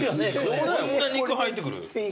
こんな肉入ってくる？